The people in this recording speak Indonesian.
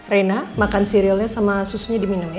rena makan sirilnya sama susunya diminum ya